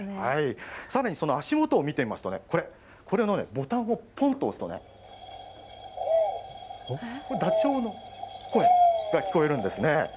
さらにその足元を見てみますとね、これ、これのね、ボタンをぽんと押すとね、これ、ダチョウの声が聞こえるんですね。